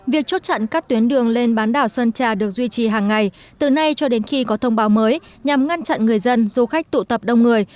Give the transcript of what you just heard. việc chốt chặn các tuyến đường lên bán đảo sơn trà được duy trì hàng ngày từ nay cho đến khi có thông báo mới nhằm ngăn chặn người dân du khách tụ tập đông người